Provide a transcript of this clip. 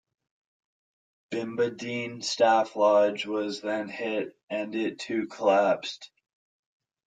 Bimbadeen Staff Lodge was then hit, and it too collapsed.